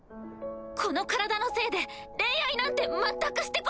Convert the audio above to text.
この体のせいで恋愛なんて全くしてこなかった。